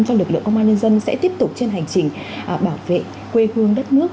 cho lực lượng công an nhân dân sẽ tiếp tục trên hành trình bảo vệ quê hương đất nước